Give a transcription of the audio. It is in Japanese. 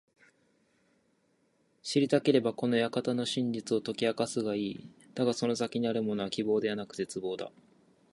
知りたければ、この館の真実を解き明かすがいい。だがその先にあるものは…希望ではなく絶望だ。